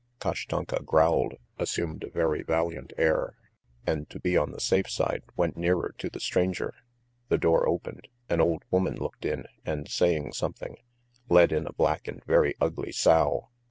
Kashtanka growled, assumed a very valiant air, and to be on the safe side, went nearer to the stranger. The door opened, an old woman looked in, and, saying something, led in a black and very ugly sow.